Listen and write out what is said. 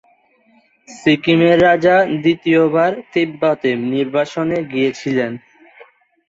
সিকিমের রাজা দ্বিতীয়বার তিব্বতে নির্বাসনে গিয়েছিলেন।